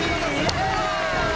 やった！